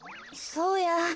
そうや。